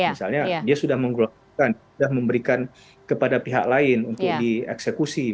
misalnya dia sudah memberikan kepada pihak lain untuk dieksekusi